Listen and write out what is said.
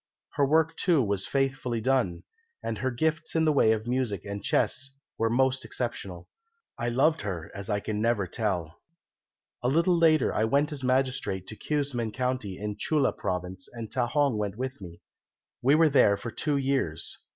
Her work, too, was faithfully done, and her gifts in the way of music and chess were most exceptional. I loved her as I never can tell. "A little later I went as magistrate to Keumsan county in Chulla Province, and Ta hong went with me. We were there for two years.